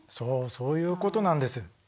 そういうことなんです。